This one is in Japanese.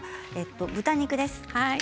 豚肉です。